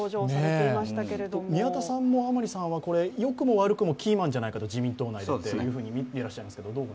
宮田さんも甘利さんは、よくも悪くも自民党内でキーマンじゃないかと見ていらっしゃいますけど。